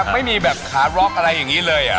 ไม่มีแบบขาบล็อกอะไรอย่างนี้เลย